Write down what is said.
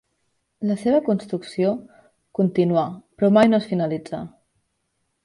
La seva construcció continuà però mai no es finalitzà.